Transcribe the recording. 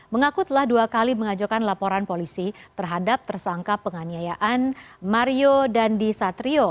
mengaku telah dua kali mengajukan laporan polisi terhadap tersangka penganiayaan mario dandi satrio